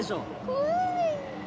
怖い！